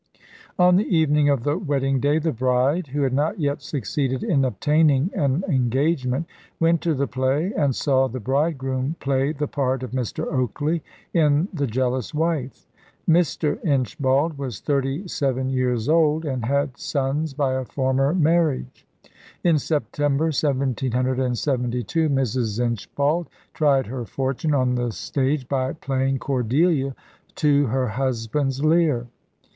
On the evening of the wedding day the bride, who had not yet succeeded in obtaining an engagement, went to the play, and saw the bridegroom play the part of Mr. Oakley in the "Jealous Wife." Mr. Inchbald was thirty seven years old, and had sons by a former marriage. In September, 1772, Mrs. Inchbald tried her fortune on the stage by playing Cordelia to her husband's Lear.